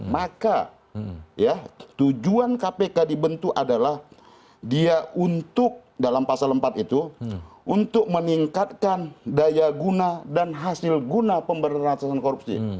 maka ya tujuan kpk dibentuk adalah dia untuk dalam pasal empat itu untuk meningkatkan daya guna dan hasil guna pemberantasan korupsi